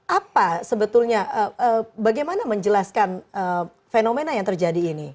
apa sebetulnya bagaimana menjelaskan fenomena yang terjadi ini